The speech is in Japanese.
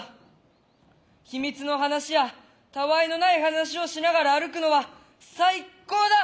秘密の話やたわいのない話をしながら歩くのは最高だ。